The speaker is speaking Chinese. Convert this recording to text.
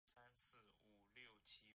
其时喃迦巴藏卜已卒。